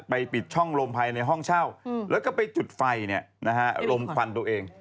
ปิดช่องลมภายในห้องเช่าแล้วก็ไปจุดไฟลมควันตัวเอง